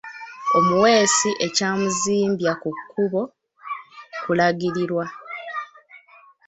Omuweesi ekyamuzimbya ku kkubo kulagirirwa